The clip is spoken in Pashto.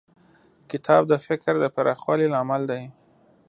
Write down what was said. کتاب د فکر د پراخوالي لامل دی.